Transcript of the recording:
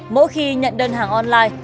mỗi khi nhận đơn hàng online